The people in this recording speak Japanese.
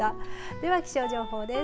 では気象情報です。